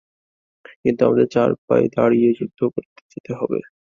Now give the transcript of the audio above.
কিন্তু আমাদের চার পায়ে দাঁড়িয়ে যুদ্ধ করে যেতে হবে।